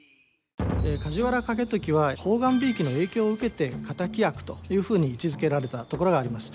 梶原景時は判官びいきの影響を受けて敵役というふうに位置づけられたところがあります。